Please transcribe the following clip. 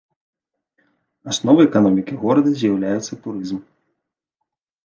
Асновай эканомікі горада з'яўляецца турызм.